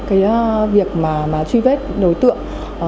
cái việc mà truy vết đối tượng